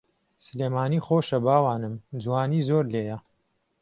سلێمانی خۆشە باوانم جوانی زۆر لێیە